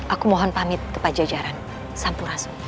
aku mohon pamit kepajajaran sampuras